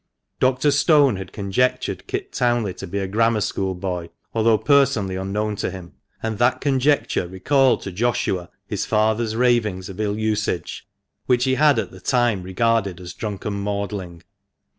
Dr. Stone had conjectured Kit Townley to be a Grammar School boy, although personally unknown to him ; and that conjecture recalled to Joshua his father's ravings of ill usage, which he had at the time regarded as drunken maudling.